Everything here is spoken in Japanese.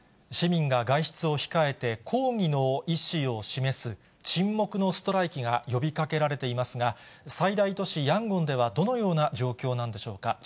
市民が外出を控えて、抗議の意思を示す、沈黙のストライキが呼びかけられていますが、最大都市ヤンゴンでは、どのような状況なんでしょうか。